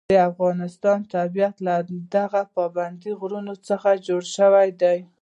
د افغانستان طبیعت له دغو پابندي غرونو څخه جوړ شوی دی.